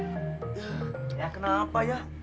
ya kenapa ya